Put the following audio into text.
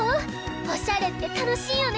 おしゃれってたのしいよね！